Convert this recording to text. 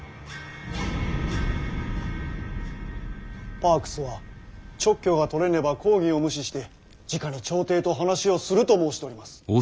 パークスは勅許が取れねば公儀を無視してじかに朝廷と話をすると申しております。